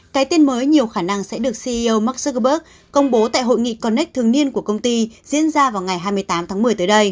cái tên mới nhiều khả năng sẽ được ceo mark zuckerberg công bố tại hội nghị connec thường niên của công ty diễn ra vào ngày hai mươi tám tháng một mươi tới đây